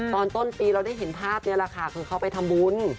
ตอนต้นปีเราได้เห็นภาพนี้แหละค่ะคือเขาไปทำบุญ